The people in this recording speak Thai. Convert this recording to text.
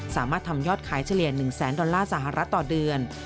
สามารถทำยอดขายเฉลี่ย๑แสนดอลลาร์สหรัฐต่อเดือน